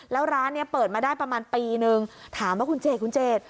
แล้วร้านเนี่ยเปิดมาได้ประมาณปีนึงถามว่าคุณเจดคุณเจด